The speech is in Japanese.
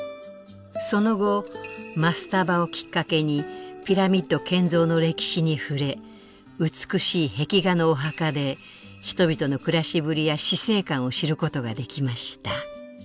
その後マスタバをきっかけにピラミッド建造の歴史に触れ美しい壁画のお墓で人々の暮らしぶりや死生観を知ることができました。